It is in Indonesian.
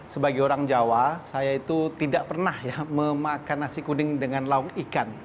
sebagai orang jawa saya itu tidak pernah ya memakan nasi kuning dengan lauk ikan